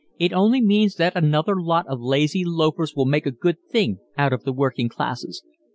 "It only means that another lot of lazy loafers will make a good thing out of the working classes.